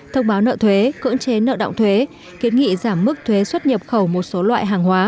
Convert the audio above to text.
thông báo nợ thuế cưỡng chế nợ động thuế kiến nghị giảm mức thuế xuất nhập khẩu một số loại hàng hóa